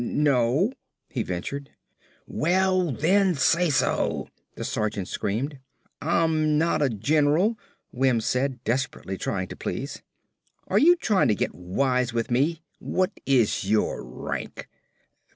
"No," he ventured. "Well then say so!" the sergeant screamed. "Ah'm not a gen'ral," Wims said, desperately trying to please. "Are ya tryin' ta get wise with me? WHAT IS YOUR RANK?"